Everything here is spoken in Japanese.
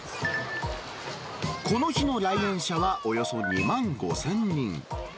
この日の来園者はおよそ２万５０００人。